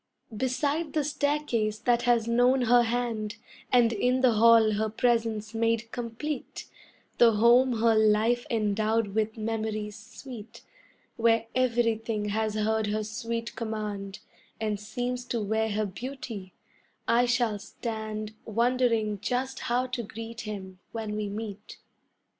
Beside the staircase that has known her hand And in the hall her presence made complete, The home her life endowed with memories sweet Where everything has heard her sweet command And seems to wear her beauty, I shall stand Wondering just how to greet him when we meet.